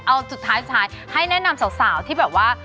เอาสุดท้ายให้แนะนำสาวที่แบบว่า